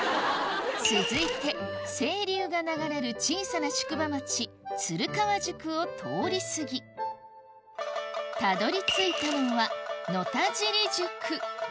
続いて清流が流れる小さな宿場町鶴川宿を通り過ぎたどり着いたのは野田尻宿